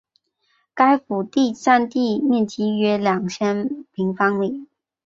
该府第占地面积约两千平方米。